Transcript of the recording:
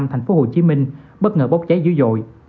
tp hcm bất ngờ bốc cháy dữ dội